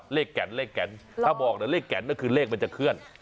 แก่นเลขแก่นถ้าบอกเดี๋ยวเลขแก่นก็คือเลขมันจะเคลื่อน